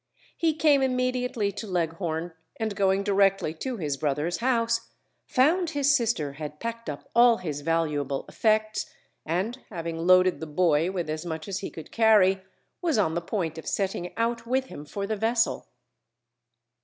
He came immediately to Leghorn, and going directly to his brother's house, found his sister had packed up all his valuable effects, and having loaded the boy with as much as he could carry, was on the point of setting out with him for the vessel.